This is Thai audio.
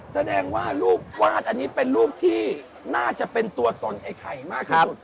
แสดงว่ารูปวาดอันนี้เป็นรูปที่น่าจะเป็นตัวตนไอ้ไข่มากที่สุด